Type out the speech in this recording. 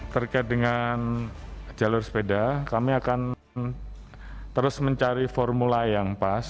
terkait dengan jalur sepeda kami akan terus mencari formula yang pas